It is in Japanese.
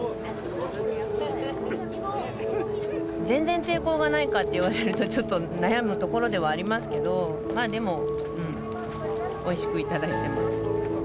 全然抵抗がないかって言われると、ちょっと悩むところではありますけど、でも、おいしく頂いています。